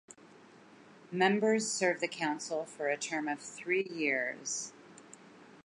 Members serve the Council for a term of three years.